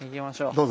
どうぞ。